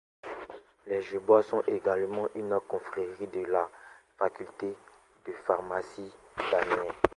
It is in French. Les Gerboises sont également une confrérie de la faculté de pharmacie d'Amiens.